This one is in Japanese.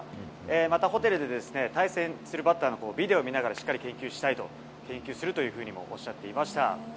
また、ホテルで対戦するバッターのビデオを見ながらしっかり研究したいと、研究するというふうにもおっしゃっていました。